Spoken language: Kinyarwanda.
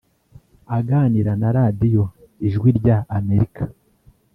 Aganira na Radio ijwi rya Amerika